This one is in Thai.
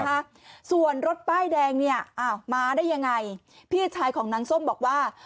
นะคะส่วนรถป้ายแดงเนี่ยอ้าวมาได้ยังไงพี่ชายของนางส้มบอกว่า